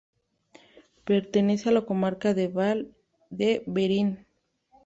Pertenece a la comarca de Val de Verín.